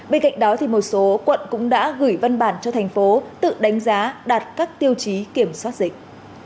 bên cạnh đó một số quận cũng đã gửi văn bản cho thành phố tự đánh giá đạt các tiêu chí kiểm soát dịch